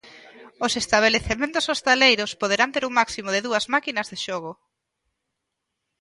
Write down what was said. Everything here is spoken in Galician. Os estabelecementos hostaleiros poderán ter un máximo de dúas máquinas de xogo.